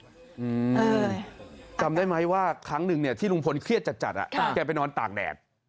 จำได้ไหมว่าครั้งหนึ่งเนี่ยที่ลุงพลเครียดจัดจัดอ่ะแกไปนอนตากแดด